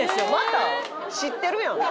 知ってるやん。